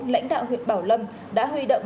lãnh đạo huyện bảo lâm đã huy động